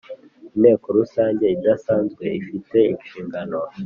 Inteko Rusange idasanzwe ifite inshingano